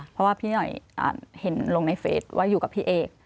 เพราะว่าพี่หน่อยเห็นลงในเฟสว่าอยู่กับพี่เอก